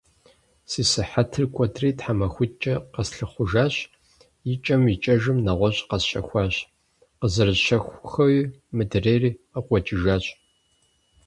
Си сыхьэтыр кӏуэдри, тхьэмахутӏкӏэ къэслъыхъуэжащ. Икӏэм икӏэжым нэгъуэщӏ къэсщэхуащ. Къызэрысщэхуххэуи мыдырейр къыкъуэкӏыжащ.